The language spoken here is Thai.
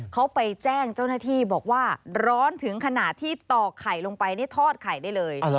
เขาไปแจ้งเจ้าหน้าที่บอกว่าร้อนถึงขนาดที่ต่อไข่ลงไปนี่ทอดไข่ได้เลย